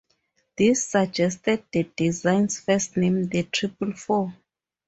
This suggested the design's first name, the Triple-Four.